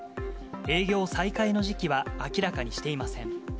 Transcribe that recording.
営業再開の時期は明らかにしていません。